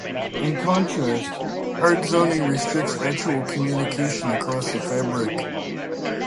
In contrast, hard zoning restricts actual communication across a fabric.